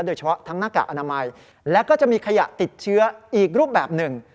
โดยเฉพาะทั้งหน้ากากอนามัยและก็จะมีขยะติดเชื้ออีกรูปแบบหนึ่ง